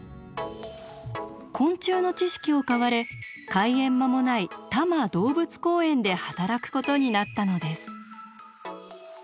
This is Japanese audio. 昆虫の知識を買われ開園間もない多摩動物公園で働くことになったのです。